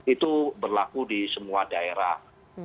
itu berlaku di semua daerah